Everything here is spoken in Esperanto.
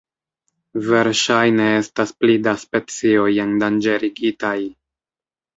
Verŝajne estas pli da specioj endanĝerigitaj.